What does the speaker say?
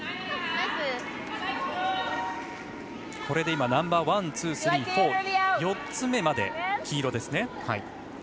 これで今、ナンバーワンツー、スリー、フォー４つ目まで黄色ですね。